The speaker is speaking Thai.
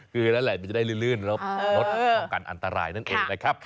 คือนั่นแหละมันจะได้ลื่นแล้วลดป้องกันอันตรายนั่นเองนะครับ